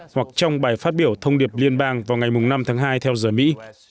hoặc trong bài phát biểu thông điệp liên bang vào ngày năm tháng hai theo giờ mỹ